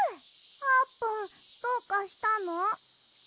あーぷんどうかしたの？